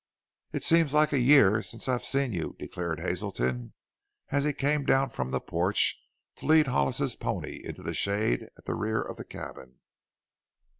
"It seems like a year since I've seen you!" declared Hazelton as he came down from the porch to lead Hollis's pony into the shade at the rear of the cabin.